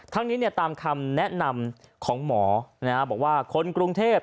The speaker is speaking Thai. ทั้งนี้ตามคำแนะนำของหมอบอกว่าคนกรุงเทพ